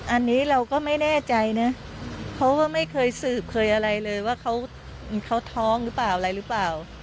อันนี้เราก็ไม่แน่ใจนะเขาก็ไม่เคยสืบเคยอะไรเลยว่าเขาท้องหรือเปล่าอะไรหรือเปล่า